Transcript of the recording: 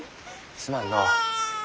すまんのう。